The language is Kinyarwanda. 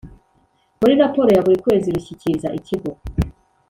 muri raporo ya buri kwezi rushyikiriza ikigo